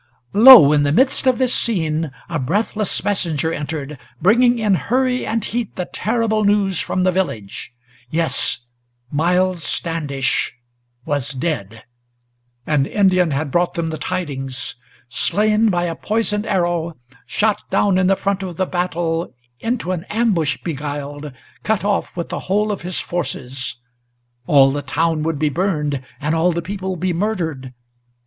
Lo! in the midst of this scene, a breathless messenger entered, Bringing in hurry and heat the terrible news from the village. Yes; Miles Standish was dead! an Indian had brought them the tidings, Slain by a poisoned arrow, shot down in the front of the battle, Into an ambush beguiled, cut off with the whole of his forces; All the town would be burned, and all the people be murdered!